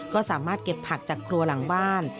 ก็สามารถเก็บผักจากครัวหลังบ้าน